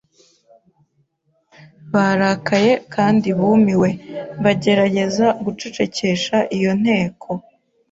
Barakaye kandi bumiwe, bagerageza gucecekesha iyo nteko